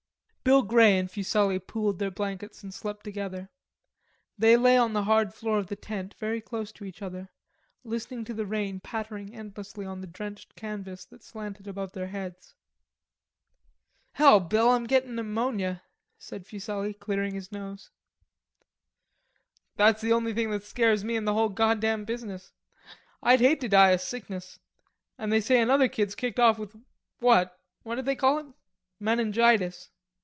" Bill Grey and Fuselli pooled their blankets and slept together. They lay on the hard floor of the tent very close to each other, listening to the rain pattering endlessly on the drenched canvas that slanted above their heads. "Hell, Bill, I'm gettin' pneumonia," said Fuselli, clearing his nose. "That's the only thing that scares me in the whole goddam business. I'd hate to die o' sickness... an' they say another kid's kicked off with that what d'they call it? menegitis."